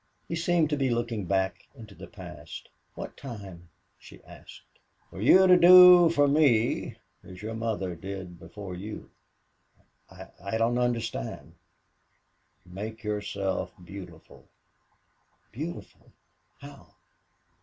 He seemed to be looking back into the past. "What time?" she asked. "For you to do for me as your mother did before you." "I I don't understand." "Make yourself beautiful!" "Beautiful!... How?"